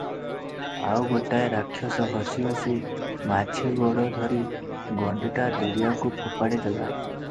ଆଉ ଗୋଟାଏ ରାକ୍ଷସ ହସି ହସି ମାଝି ଗୋଡ ଧରି ଗଣ୍ଡିଟା ଦରିଆକୁ ଫୋପାଡ଼ି ଦେଲା ।